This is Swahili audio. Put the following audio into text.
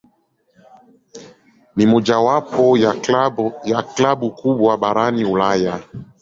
Ni mojawapo ya klabu kubwa barani Ulaya.